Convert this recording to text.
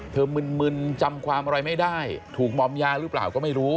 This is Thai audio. มึนจำความอะไรไม่ได้ถูกมอมยาหรือเปล่าก็ไม่รู้